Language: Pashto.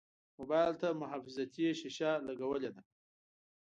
موبایل ته محافظتي شیشه لګولې ده.